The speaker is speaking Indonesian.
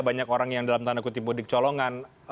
banyak orang yang dalam tanda kutip mudik colongan